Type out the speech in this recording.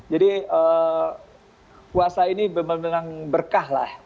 jadi kuasa ini benar benar berkah lah